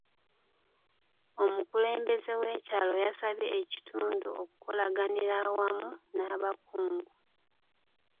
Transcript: Omukulembeze w'ekyalo yasabye ekitundu okukolaganira awamu n'abakungu.